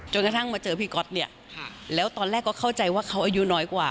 กระทั่งมาเจอพี่ก๊อตเนี่ยแล้วตอนแรกก็เข้าใจว่าเขาอายุน้อยกว่า